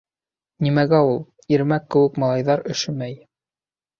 Нимәгә ул, Ирмәк кеүек малайҙар өшөмәй.